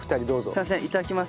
すいませんいただきます。